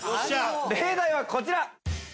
例題はこちら。